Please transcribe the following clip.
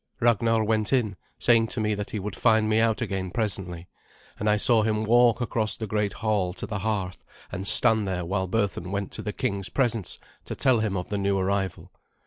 Ragnar went in, saying to me that he would find me out again presently; and I saw him walk across the great hall to the hearth, and stand there while Berthun went to the king's presence to tell him of the new arrival.